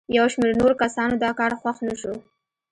یو شمېر نورو کسانو دا کار خوښ نه شو.